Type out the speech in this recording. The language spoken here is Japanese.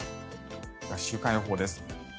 では、週間予報です。